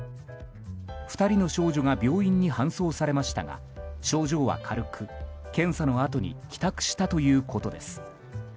２人の少女が病院に搬送されましたが症状は軽く、検査のあとに帰宅したということです。